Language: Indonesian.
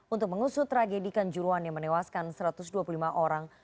untuk mengusut tragedi kanjuruan yang menewaskan satu ratus dua puluh lima orang